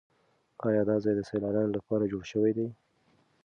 ایا دا ځای د سیلانیانو لپاره جوړ شوی دی؟